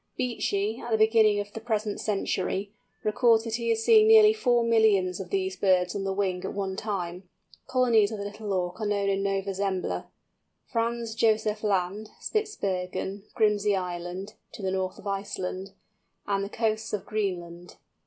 Beechey, at the beginning of the present century, records that he has seen nearly four millions of these birds on the wing at one time. Colonies of the Little Auk are known in Nova Zembla, Franz Josef Land (?), Spitzbergen, Grimsey Island (to the north of Iceland), and the coasts of Greenland.